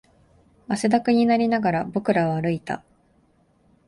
汗だくになりながら、僕らは歩いた